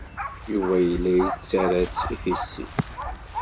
Yuba yella yettarra-tt i tissit.